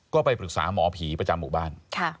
ก็ไปปรึกษาหมอผีประจำหมู่บ้าน